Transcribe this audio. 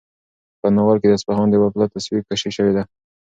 په ناول کې د اصفهان د یوه پله تصویرکشي شوې ده.